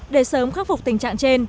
để sớm khắc phục tình trạng trên